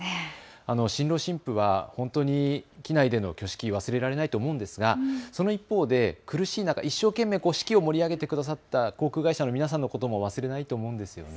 新郎新婦は本当に機内での挙式忘れられないと思いますがその一方で苦しい中、一生懸命式を盛り上げてくださった航空会社の皆さんのことも忘れないと思います。